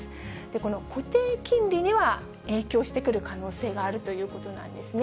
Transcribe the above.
この固定金利には、影響してくる可能性があるということなんですね。